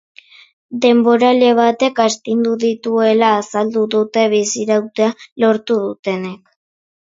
Denborale batek astindu dituela azaldu dute bizirautea lortu dutenek.